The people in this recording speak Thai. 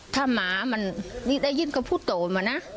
ถ้าหมามันนี่ได้ยินเขาพูดโตมานะ